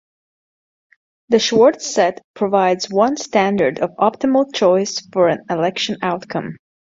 The Schwartz set provides one standard of optimal choice for an election outcome.